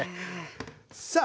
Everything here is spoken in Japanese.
さあ